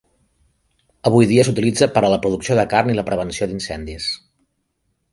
Avui dia s'utilitza per a la producció de carn i la prevenció d'incendis.